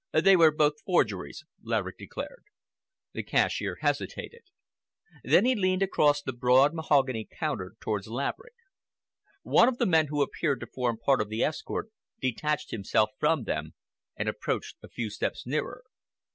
"They were both forgeries," Laverick declared. The cashier hesitated. Then he leaned across the broad mahogany counter towards Laverick. One of the men who appeared to form part of the escort detached himself from them and approached a few steps nearer.